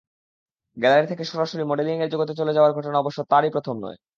Gallery থেকে সরাসরি মডেলিংয়ের জগতে চলে যাওয়ার ঘটনা অবশ্য তাঁরই প্রথম নয়।